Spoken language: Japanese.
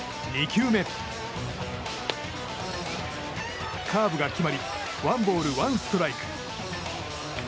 ２球目、カーブが決まりワンボール、ワンストライク。